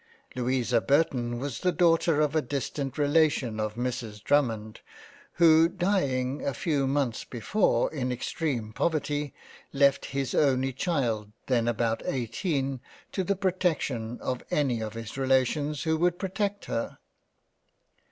Louisa Burton was the Daughter of a distant Relation of Mrs. Drummond, who dieing a few Months before in extreme poverty, left his only Child then about eighteen to the protection of any of his Relations who would protect her.